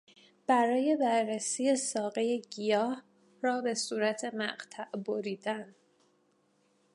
برای بررسی ساقهی گیاه را به صورت مقطع بریدن